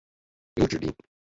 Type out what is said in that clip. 有脂鳍。